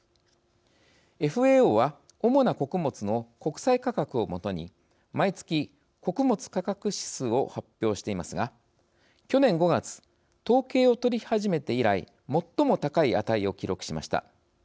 ＦＡＯは主な穀物の国際価格を基に毎月、穀物価格指数を発表していますが去年５月、統計を取り始めて以来最も高い値を記録しました。